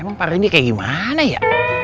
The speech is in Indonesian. emang partai ini kayak gimana ya